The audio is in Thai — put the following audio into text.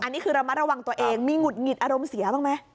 อันนี้คือระมัดระวังตัวเองมีหงุดหงิดอารมณ์เสียบ้างไหม